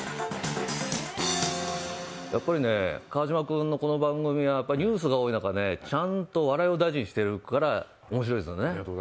やっぱりね、川島君のこの番組はニュースが多い中ちゃんと笑いを大事にしてるからおもしろいですよね。